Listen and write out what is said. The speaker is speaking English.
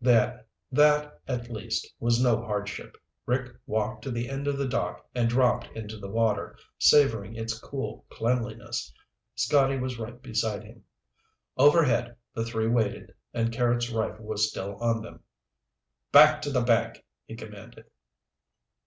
That, at least, was no hardship. Rick walked to the end of the dock and dropped into the water, savoring is cool cleanliness. Scotty was right beside him. Overhead, the three waited, and Carrots' rifle was still on them. "Back to the bank," he commanded.